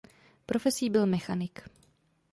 Profesí byl mechanik.